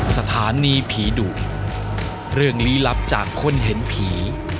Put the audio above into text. สถานีผีดุเรื่องลี้ลับจากคนเห็นผี